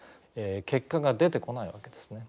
結果が出てこないわけですね。